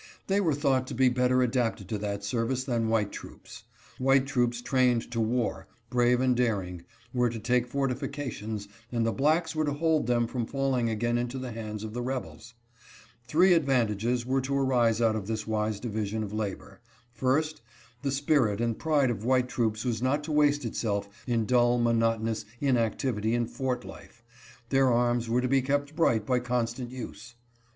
They were thought to be better adapted to that service than white troops. White troops trained to war, brave and daring, were to take fortifications, and the blacks were to hold them from falling again into the hands of the rebels. Three advantages were to arise out of this wise division of labor: 1st, The spirit and pride of white troops was not to waste itself in dull, monotonous inactivity in fort life; their arms were to be kept bright by constant use.